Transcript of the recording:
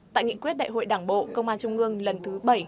tại nghị quyết đại hội đảng bộ công an trung ương lần thứ bảy